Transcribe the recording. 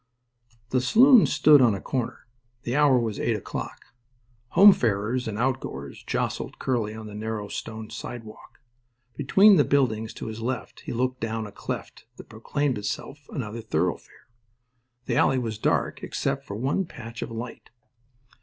The saloon stood on a corner. The hour was eight o'clock. Homefarers and outgoers jostled Curly on the narrow stone sidewalk. Between the buildings to his left he looked down a cleft that proclaimed itself another thoroughfare. The alley was dark except for one patch of light.